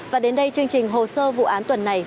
và đến đây chương trình hồ sơ vụ án tuần này